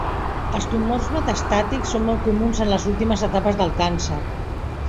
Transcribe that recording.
Els tumors metastàtics són molt comuns en les últimes etapes del càncer.